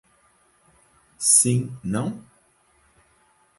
Sim não?